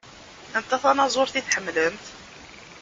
Anta tanaẓuṛt i tḥemmlemt?